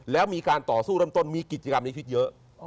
แล้วมีการต่อสู้เริ่มต้นมีกิจกรรมนี้คิดเยอะ